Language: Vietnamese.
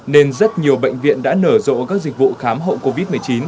nên rất nhiều bệnh viện đã nở rộ các dịch vụ khám hộ covid một mươi chín